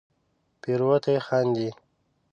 پیروتې خاندې